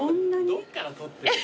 どっから撮ってんの？